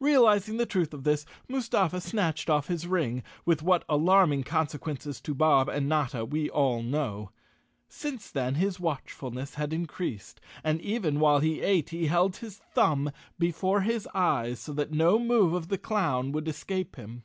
Realizing the truth of this, Mustafa snatched off his ring, with what alarming consequences to Bob and Notta we all know. Since then his watchfulness had increased, and even while he ate he held his thumb before his eyes so that no move of the clown would escape him.